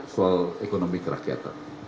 soal ekonomi kerakyatan